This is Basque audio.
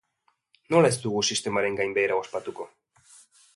Nola ez dugu sistemaren gainbehera ospatuko?